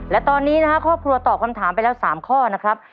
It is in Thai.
และตอนนี้นะครับครอบครัวตอบคำถามไปแล้ว๓ข้อนะครับ